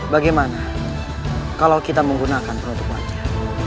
bagaimana kalau kita menggunakan produk wajah